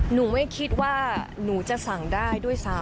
หนูไม่คิดว่าหนูจะสั่งได้ด้วยซ้ำ